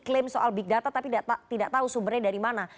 klaim soal big data tapi tidak tahu sumbernya dari mana